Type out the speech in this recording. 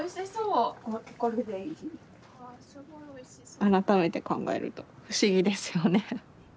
改めて考えると不思議ですよね。